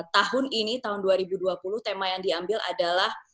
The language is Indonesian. tahun ini tahun dua ribu dua puluh tema yang diambil adalah